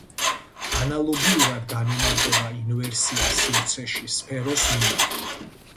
ანალოგიურად განიმარტება ინვერსია სივრცეში სფეროს მიმართ.